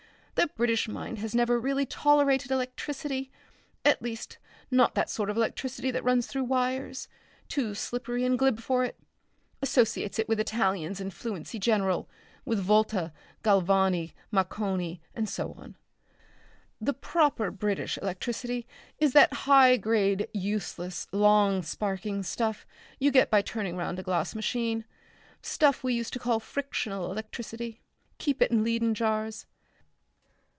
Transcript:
The British mind has never really tolerated electricity; at least, not that sort of electricity that runs through wires. Too slippery and glib for it. Associates it with Italians and fluency generally, with Volta, Galvani, Marconi and so on. The proper British electricity is that high grade useless long sparking stuff you get by turning round a glass machine; stuff we used to call frictional electricity. Keep it in Leyden jars....